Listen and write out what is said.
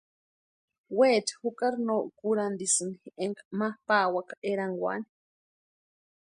Weecha jukari no kurhantisïni éka ma pawaka erankwani.